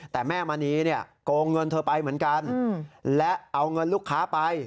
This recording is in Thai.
แต่แม่มณีเนี่ยโกงเงินเธอไปเหมือนกันและเอาเงินลูกค้าไป